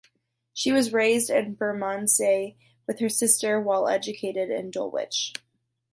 She was raised in Bermondsey with her sister while educated in Dulwich.